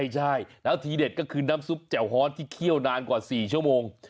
ใช่แล้วทีเด็ดก็คือน้ำซุปแจ่วฮอตที่เคี่ยวนานกว่า๔ชั่วโมง